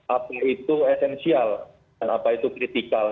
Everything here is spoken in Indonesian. apa itu esensial dan apa itu kritikal